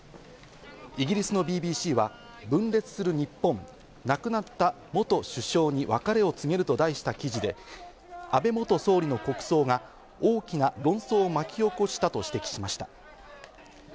イギリスのＢＢＣは、分裂日本、亡くなった元首相に別れを告げると題した記事で、安倍元総理の国葬が大きな論争を巻き起こしたと指摘しました。